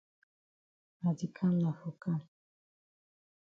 I di kam na for kam.